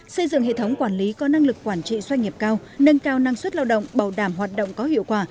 xây dựng hệ thống quản lý có năng lực quản trị doanh nghiệp cao nâng cao năng suất lao động bảo đảm hoạt động có hiệu quả